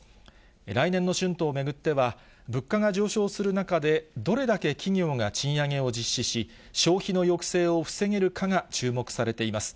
来年の春闘を巡っては、物価が上昇する中でどれだけ企業が賃上げを実施し、消費の抑制を防げるかが注目されています。